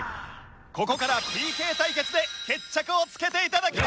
ここからＰＫ対決で決着をつけていただきます！